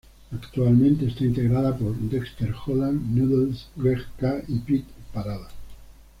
Actualmente está integrada por Dexter Holland, Noodles, Greg K y Pete Parada.